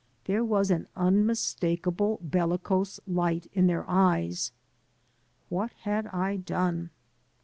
There was an unmistakable bellicose light in their eyes. What had I done?